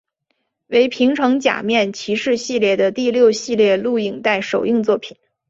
为平成假面骑士系列的第六系列录影带首映作品。